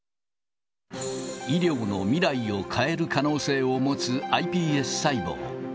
医療の未来を変える可能性を持つｉＰＳ細胞。